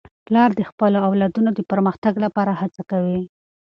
پلار د خپلو اولادونو د پرمختګ لپاره هڅه کوي.